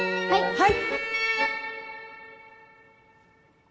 はい！